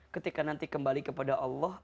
ketika nanti kembali kepada allah